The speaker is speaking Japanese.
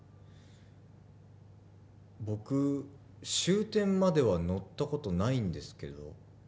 僕終点までは乗ったことないんですけど。